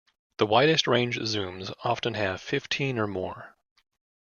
The widest-range zooms often have fifteen or more.